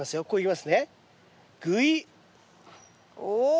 お。